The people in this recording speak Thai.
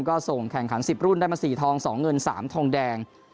ก็ส่งแข่งขัน๑๐รุ่นได้มา๔ทอง๒เงิน๓ทองแดง